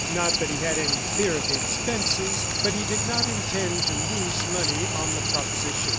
Not that he had any fear of the expenses, but he did not intend to lose money on the proposition.